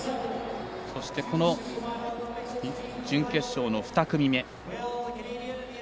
そして、準決勝の２組目。